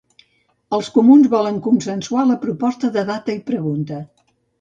Els comuns volen consensuar la proposta de data i pregunta.